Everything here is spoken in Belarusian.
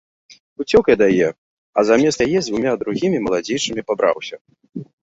Уцёк ад яе, а замест яе з дзвюма другімі, маладзейшымі, пабраўся.